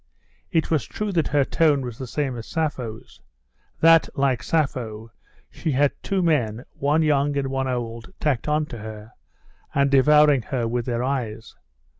It is true that her tone was the same as Sappho's; that like Sappho, she had two men, one young and one old, tacked onto her, and devouring her with their eyes.